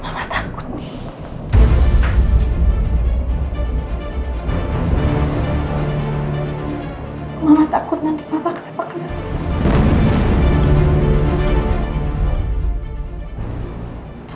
mama takut nanti papa ketepat kena